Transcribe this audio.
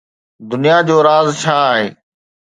دنيا جو راز ڇا آهي؟